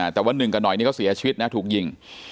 แต่ว่า๑กันหน่อยก็เสียชีวิตถูกยิง